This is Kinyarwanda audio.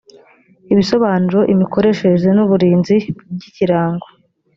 ibisobanuro imikoreshereze n uburinzi by ikirango